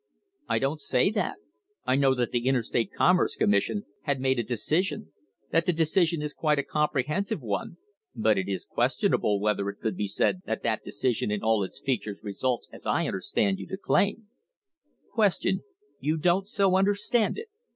I don't say that; I know that the Interstate Commerce Commission had made a decision; the decision is quite a comprehensive one, but it is questionable whether it could be said that that decision in all its features results as I understand you to claim. Q. You don't so understand it